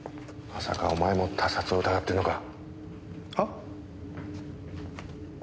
まさかお前も他殺を疑ってるのか？は？あ。